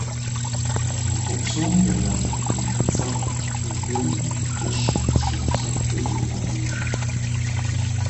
Махуэ псом лэжьа цӏыхум и тхыцӏэр зэщегуэри, жэщым, зыщигъэпсэхукӏэ, зеукъуэдииж.